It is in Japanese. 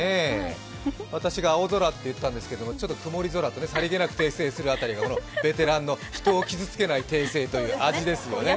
私が青空って言ったんですけれども、ちょっと曇り空でさりげなく訂正する辺りがベテランの、人を傷つけない訂正という味ですよね。